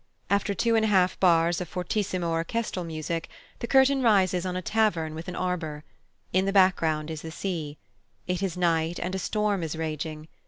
After two and a half bars of fortissimo orchestral music, the curtain rises on a tavern with an arbour. In the background is the sea. It is night, and a storm is raging.